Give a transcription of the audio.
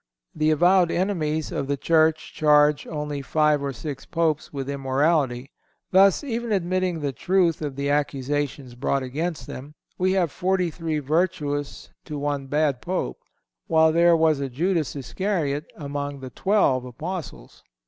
The avowed enemies of the Church charge only five or six Popes with immorality. Thus, even admitting the truth of the accusations brought against them, we have forty three virtuous to one bad Pope, while there was a Judas Iscariot among the twelve Apostles.